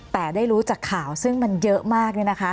แต่ได้รู้จากข่าวซึ่งมันเยอะมาก